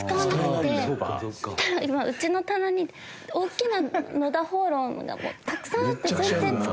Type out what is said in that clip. そしたら今うちの棚におっきな野田琺瑯がもうたくさんあって全然使ってなくて。